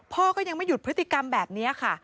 พ่อก็ยังไม่หยุดพฤติกรรมแบบนี้ค่ะ